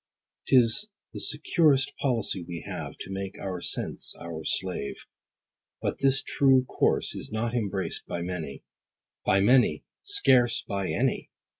'Tis the securest policy we have, To make our sense our slave. But this true course is not embraced by many : 10 By many ! scarce by any.